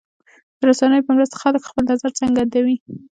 د رسنیو په مرسته خلک خپل نظر څرګندوي.